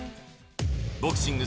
ボクシング